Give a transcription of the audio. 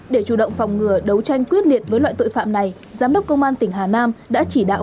để chủ động phòng ngừa đấu tranh quyết liệt với loại tội phạm này giám đốc công an tỉnh hà nam đã chỉ đạo